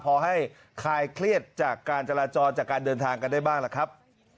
พอให้คลายเครียดจากการจราจรจากการเดินทางกันได้บ้างล่ะครับ